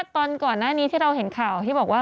ตอนก่อนหน้านี้ที่เราเห็นข่าวที่บอกว่า